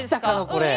これ。